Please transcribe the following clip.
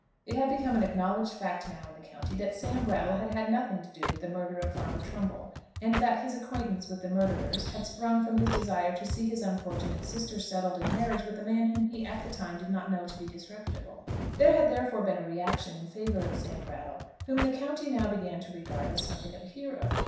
It had become an acknowledged fact now in the county that Sam Brattle had had nothing to do with the murder of Farmer Trumbull, and that his acquaintance with the murderers had sprung from his desire to see his unfortunate sister settled in marriage with a man whom he at the time did not know to be disreputable. There had therefore been a reaction in favour of Sam Brattle, whom the county now began to regard as something of a hero.